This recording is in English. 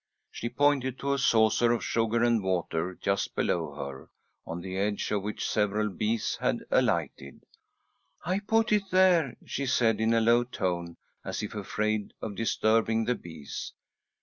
She pointed to a saucer of sugar and water just below her, on the edge of which several bees had alighted. "I put it there," she said, in a low tone, as if afraid of disturbing the bees.